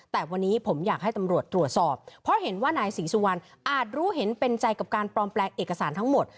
แต่วันนี้ผมอยากให้ตำรวจตรวจสอบเพราะเห็นว่านายศรีสุวรรณอาจรู้เห็นเป็นใจกับการปลอมแปลงเอกสารทั้งหมด